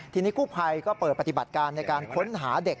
ทีนี้กู้ภัยก็เปิดปฏิบัติการในการค้นหาเด็ก